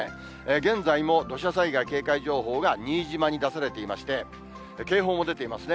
現在も土砂災害警戒情報が新島に出されていまして、警報も出ていますね。